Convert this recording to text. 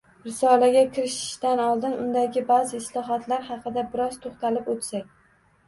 Risolaga kirishishdan oldin undagi ba'zi istilohlar haqida biroz to‘xtalib o‘tsak